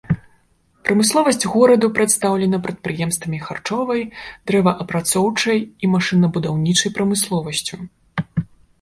Прамысловасць гораду прадстаўлена прадпрыемствамі харчовай, дрэваапрацоўчай і машынабудаўнічай прамысловасцю.